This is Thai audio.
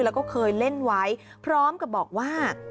แล้วก็เคยเล่นไว้พร้อมกับบอกว่า